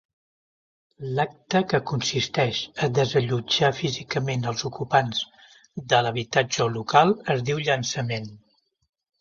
L'acte que consisteix a desallotjar físicament als ocupants de l'habitatge o local, es diu llançament.